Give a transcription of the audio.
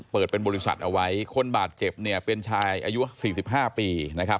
เปิดเป็นบริษัทเอาไว้คนบาดเจ็บเนี่ยเป็นชายอายุ๔๕ปีนะครับ